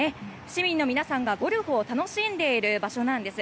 市民の皆さんがゴルフを楽しんでいる場所なんです。